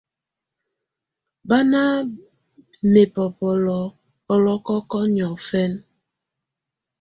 Bá nà mɛbɔbɔlɔ̀ ɔlɔ̀kɔkɔ̀ niɔ̀̀fɛna.